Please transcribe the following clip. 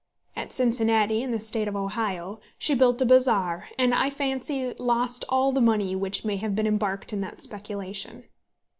At Cincinnati, in the State of Ohio, she built a bazaar, and I fancy lost all the money which may have been embarked in that speculation.